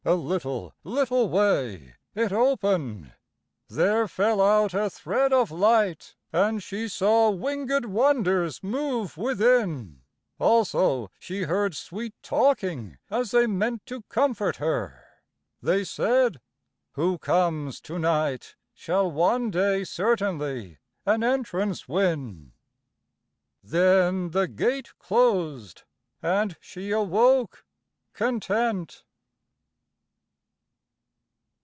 A little little way It opened: there fell out a thread of light, And she saw wingèd wonders move within; Also she heard sweet talking as they meant To comfort her. They said, "Who comes to night Shall one day certainly an entrance win;" Then the gate closed and she awoke content.